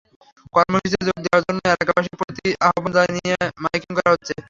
কর্মসূচিতে যোগ দেওয়ার জন্য এলাকাবাসীর প্রতি আহ্বান জানিয়ে মাইকিং করা হচ্ছে।